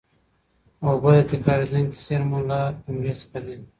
اوبه د تکرارېدونکو زېرمونو له جملې څخه دي.